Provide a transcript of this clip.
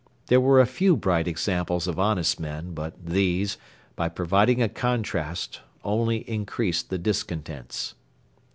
There were a few bright examples of honest men, but these, by providing a contrast, only increased the discontents.